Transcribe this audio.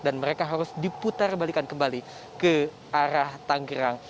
dan mereka harus diputar balikan kembali ke arah tanggrang